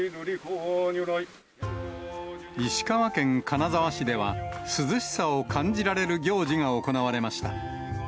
石川県金沢市では、涼しさを感じられる行事が行われました。